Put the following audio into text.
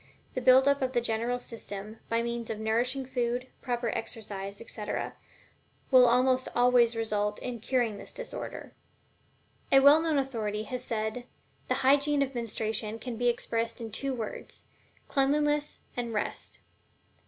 The building up of the general system, by means of nourishing food, proper exercise, etc., will almost always result in curing this disorder. A well known authority has well said: "The hygiene of menstruation can be expressed in two words: CLEANLINESS AND REST."